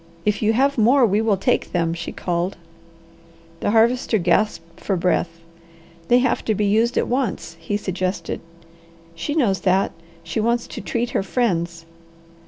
"If you have more, we will take them," she called. The Harvester gasped for breath. "They have to be used at once," he suggested. "She knows that. She wants to treat her friends."